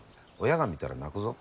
親が見たら泣くぞ。